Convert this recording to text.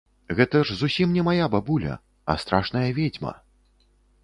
Гэта ж зусім не мая бабуля, а страшная ведзьма.